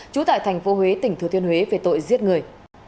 trú tại thành phố huế tỉnh thừa thiên huế về tội giết người